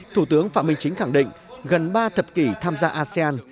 thủ tướng phạm minh chính khẳng định gần ba thập kỷ tham gia asean